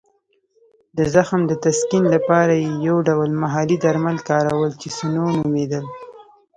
د زخم د تسکین لپاره یې یو ډول محلي درمل کارول چې سنو نومېدل.